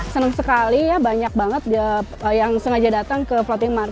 seneng sekali ya banyak banget yang sengaja datang ke bandung